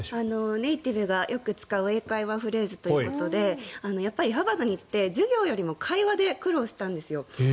「ネイティブがよく使う英会話フレーズ」ということでやっぱりハーバードに行って授業よりも苦労したんですよ。